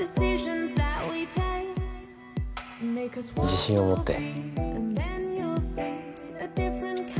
自信を持って。